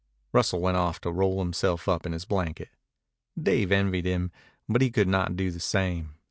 Russell went off to roll himself up in his blanket. Dave envied him, but he could not do the same.